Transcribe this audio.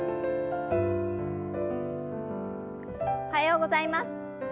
おはようございます。